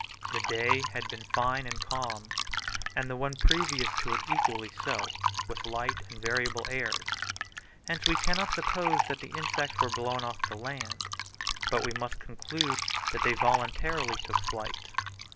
The day had been fine and calm, and the one previous to it equally so, with light and variable airs. Hence we cannot suppose that the insects were blown off the land, but we must conclude that they voluntarily took flight.